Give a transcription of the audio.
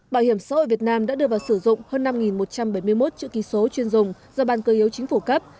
bảo hiểm xã hội việt nam đã đưa vào sử dụng hơn năm một trăm bảy mươi một chữ ký số chuyên dùng do ban cơ yếu chính phủ cấp